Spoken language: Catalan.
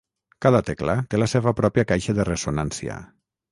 Cada tecla té la seva pròpia caixa de ressonància.